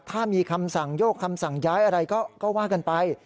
ถ้ามีคำสั่งโยกคำสั่งย้ายอะไรก็ว่ากันไป